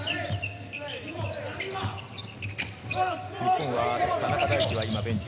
日本は田中大貴は今、ベンチ。